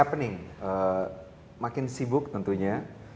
apa yang terjadi makin sibuk tentunya